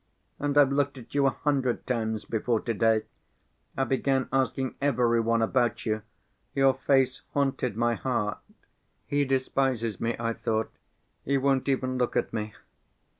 And I've looked at you a hundred times before to‐day; I began asking every one about you. Your face haunted my heart. 'He despises me,' I thought; 'he won't even look at me.